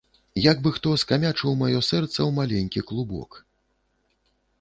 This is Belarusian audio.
Як бы хто скамячыў маё сэрца ў маленькі клубок.